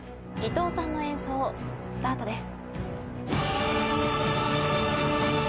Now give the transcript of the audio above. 伊藤さんの演奏スタートです。